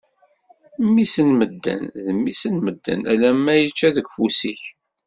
Mmi-s n medden, d mmi-s n medden, alemma yečča deg ufus-ik.